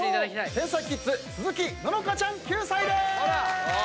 天才キッズ鈴木希華ちゃん９歳でーす！